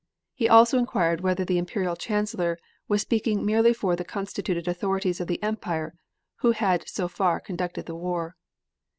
He also inquired whether the Imperial Chancellor was speaking merely for the constituted authorities of the Empire, who had so far conducted the war.